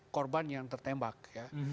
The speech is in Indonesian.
korban yang tertembak ya